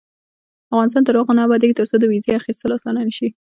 افغانستان تر هغو نه ابادیږي، ترڅو د ویزې اخیستل اسانه نشي.